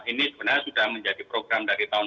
ini sebenarnya sudah menjadi program dari tahun